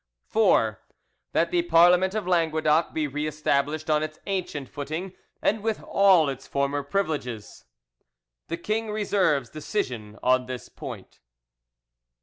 "4. That the Parliament of Languedoc be reestablished on its ancient footing, and with all its former privileges. 'The king reserves decision on this point.